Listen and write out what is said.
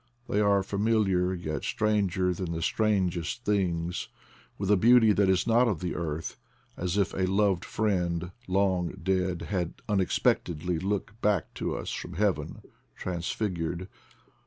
They are familiar, yet stranger than the strangest tilings, with a beauty that is not of the earth, as if a loved friend, long dead, had unexpectedly looked back to us from heaven, transfigured.